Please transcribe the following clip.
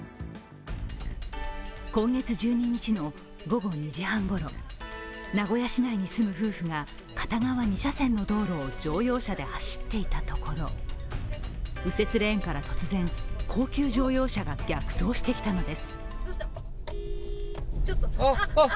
今月１２日の午後２時半ごろ名古屋市内に住む夫婦が片側２車線の道路を乗用車で走っていたところ、右折レーンから突然高級乗用車が逆走してきたのです。